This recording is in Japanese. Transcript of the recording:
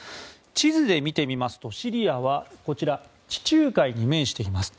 地図で見てみますとシリアは地中海に面しています。